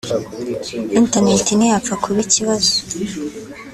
internet ntiyapfa kuba ikibazo